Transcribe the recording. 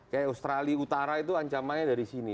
kayak australia utara itu ancamannya dari sini